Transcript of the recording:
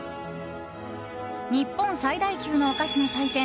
日本最大級のお菓子の祭典